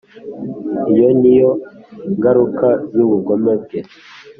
iyo ni yo ngaruka y’ubugome bwe